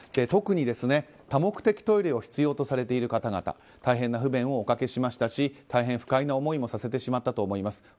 特にですね、多目的トイレを必要とされている方々大変な不便をおかけしましたし大変不快な思いもさせてしまったと思います。